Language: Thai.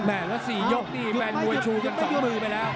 แม่แล้วสี่ยกนี่แม่นมวยชูกันสองมือไปแล้ว